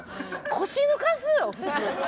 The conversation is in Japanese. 腰抜かすよ普通。